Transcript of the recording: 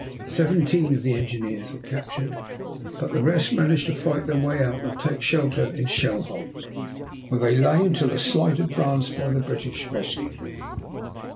Seventeen of the engineers were captured, but the rest managed to fight their way out or take shelter in shell holes, where they lay until a slight advance by the British rescued them.